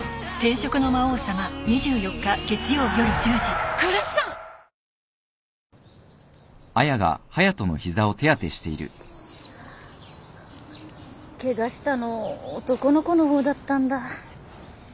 ケガしたの男の子の方だったんだ。